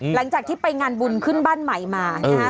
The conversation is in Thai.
หลังจากที่ไปงานบุญขึ้นบ้านใหม่มานะฮะ